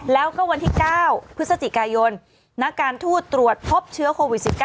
แล้วก็วันที่๙พฤศจิกายนนักการทูตตรวจพบเชื้อโควิด๑๙